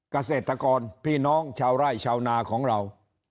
เกษตรกรพี่น้องชาวไร่ชาวนาของเรา